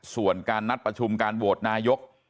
ส่วนการนัดประชุมการโหวตนายก